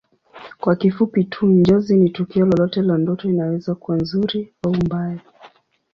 Kwa kifupi tu Njozi ni tukio lolote la ndoto inaweza kuwa nzuri au mbaya